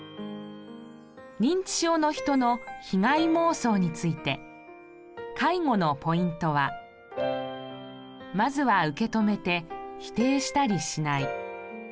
認知症の人の被害妄想について介護のポイントはまずは受け止めて否定したりしない。